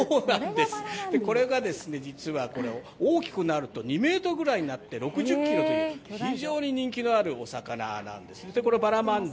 これが実は大きくなると２ｍぐらいになって６０ｋｇという非常に人気のあるお魚なんですね。